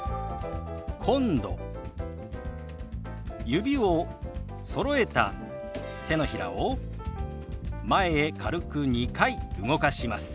指をそろえた手のひらを前へ軽く２回動かします。